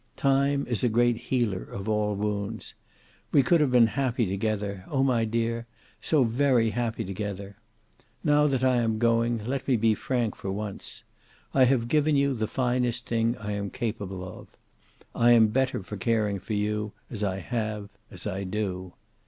Time is a great healer of all wounds. We could have been happy together; oh, my dear, so very happy together! Now that I am going, let me be frank for once. I have given you the finest thing I am capable of. I am better for caring for you as I have, as I do.